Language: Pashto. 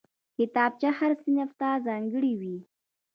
کتابچه هر صنف ته ځانګړې وي